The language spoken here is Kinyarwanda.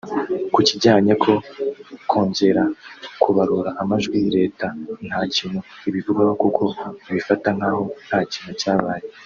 Ku kijyanye ko kongera kubarura amajwi leta nta kintu ibivugaho kuko ibifata nk’aho nta kintu cyabaye